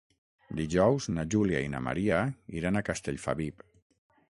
Dijous na Júlia i na Maria iran a Castellfabib.